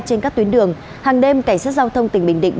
trên các tuyến đường hàng đêm cảnh sát giao thông tỉnh bình định